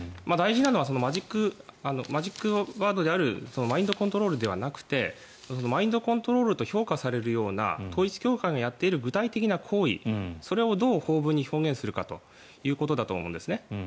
大事なのはマジックワードであるマインドコントロールではなくてマインドコントロールと評価されるような統一教会のやっている具体的な行為それをどう法文に表現するかということだと思うんですね。